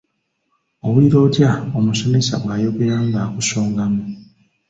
Owulira otya omusomesa bw'ayogera ng'akusongamu?